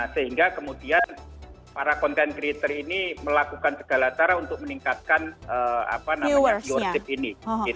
sehingga kemudian para content creator ini melakukan segala cara untuk meningkatkan yourship ini